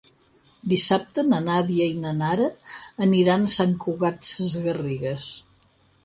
Dissabte na Nàdia i na Nara aniran a Sant Cugat Sesgarrigues.